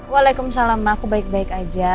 waalaikumsalam aku baik baik aja